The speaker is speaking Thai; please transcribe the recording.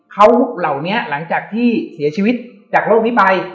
เขาเหล่านี้หลังจากที่เสียชีวิตจากโรคนี้ไป